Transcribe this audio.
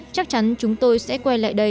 chắc chắn chúng tôi sẽ quay lại đây